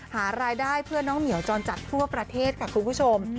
หารายได้เพื่อน้องเหมียวจรจัดทั่วประเทศค่ะคุณผู้ชม